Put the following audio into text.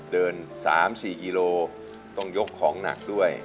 ๓๔กิโลต้องยกของหนักด้วย